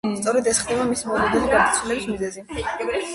სწორედ ეს ხდება მისი მოულოდნელი გარდაცვალების მიზეზი.